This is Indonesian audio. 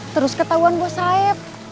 terus ketahuan bos saeb